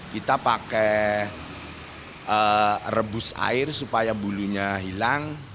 kita pakai rebus air supaya bulunya hilang